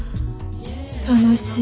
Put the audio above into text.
楽しい。